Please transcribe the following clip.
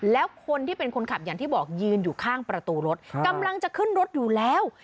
แล้วคนที่เป็นคนขับอย่างที่บอกยืนอยู่ข้างประตูรถกำลังจะขึ้นรถอยู่แล้ว